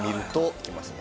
いきますね。